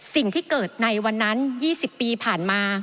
สิ่งที่เกิดในวันนั้น๒๐ปีผ่านมา